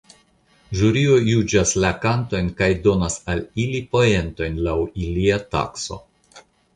Ĵurio juĝas la kantojn kaj donas al ili poentojn laŭ ilia takso.